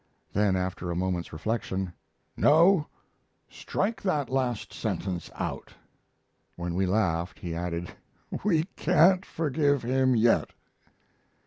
Then, after a moment's reflection, "No; strike that last sentence out." When we laughed, he added, "We can't forgive him yet."